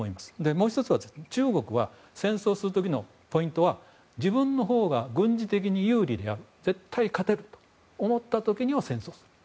もう１つは中国は戦争をする時のポイントは自分のほうが軍事的に有利であり絶対勝てると思った時には戦争をする。